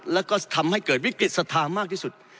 แล้วก็ทำให้เกิดวิกฤตศรัทธามากที่สุด